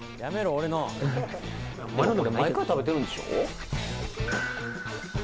俺のでもこれ毎回食べてるんでしょ？